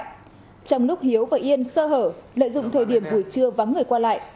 trong lúc hiếu và yên sơ hở lợi dụng thời điểm buổi trưa vắng người qua lại